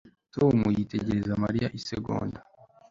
Tom yitegereza Mariya isegonda